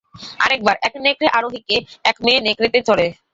আরেকবার, এক নেকড়ে আরোহীকে, এক মেয়ে নেকড়েতে চড়ে।